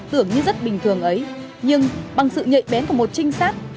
tưởng như rất bình thường ấy nhưng bằng sự nhạy bén của một trinh sát